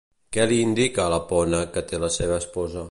Què li indica la Pona que té la seva esposa?